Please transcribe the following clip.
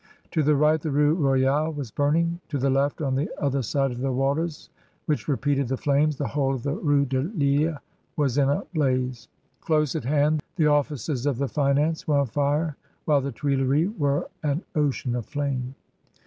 To the right the Rue Royale was burning; to the left;, on the other side of the waters, which repeated the flames, the whole of the Rue de Lille was in a blaze. Close at hand the offices of the Finance were on fire, while the Tuileries were an ocean of flame.